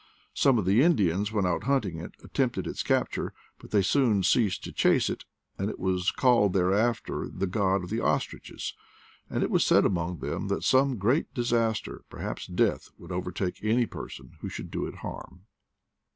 Some of the Indians, when out hunting, attempted its capture, but they soon ceased to chase it, and it was called thereafter the god of the ostriches, and it was said among them that some great disaster, perhaps death, would overtake any person who should do it harm.